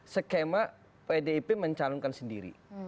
skema pdip mencalonkan sendiri